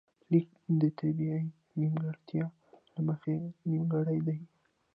ليک د طبیعي نیمګړتیا له مخې نیمګړی دی